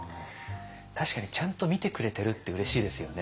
確かにちゃんと見てくれてるってうれしいですよね。